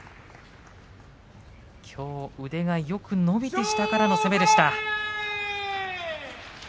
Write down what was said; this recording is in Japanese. きょう、腕がよく伸びて下からの攻めでした。